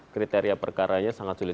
kriteria perkaranya sangat sulit